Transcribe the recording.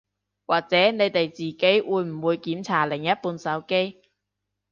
或者你哋自己會唔會檢查另一半手機